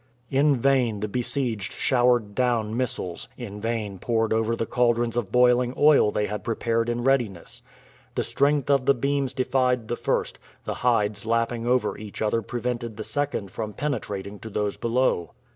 In vain the besieged showered down missiles, in vain poured over the caldrons of boiling oil they had prepared in readiness. The strength of the beams defied the first; the hides lapping over each other prevented the second from penetrating to those below.